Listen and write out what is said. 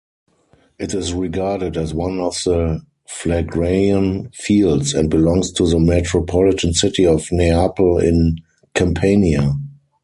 It is regarded as one of the Phlegraean Fields and belongs to the metropolitan city of Neapel in Campania.